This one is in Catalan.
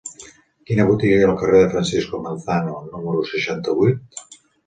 Quina botiga hi ha al carrer de Francisco Manzano número seixanta-vuit?